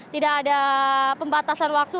tidak ada pembatasan waktu